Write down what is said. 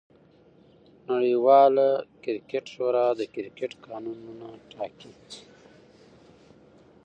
نړۍواله کرکټ شورا د کرکټ قانونونه ټاکي.